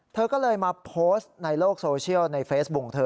เธอก็เลยมาโพสต์ในโลกโซเชียลในเฟซบุ๊คเธอ